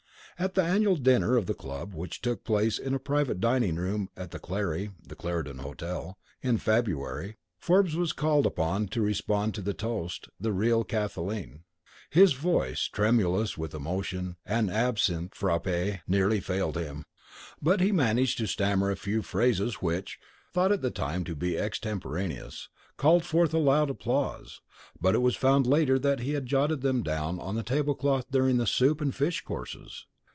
At the annual dinner of the club, which took place in a private dining room at the "Clarry" (the Clarendon Hotel) in February, Forbes was called upon to respond to the toast "The Real Kathleen." His voice, tremulous with emotion and absinthe frappe, nearly failed him; but he managed to stammer a few phrases which, thought at the time to be extemporaneous, called forth loud applause; but it was found later that he had jotted them down on the tablecloth during the soup and fish courses.